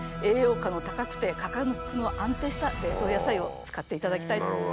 栄養価の高くて価格の安定した冷凍野菜を使っていただきたいと。